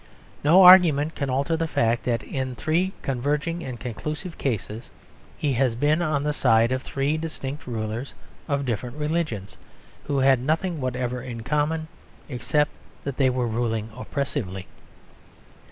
No argument can alter the fact that in three converging and conclusive cases he has been on the side of three distinct rulers of different religions, who had nothing whatever in common except that they were ruling oppressively.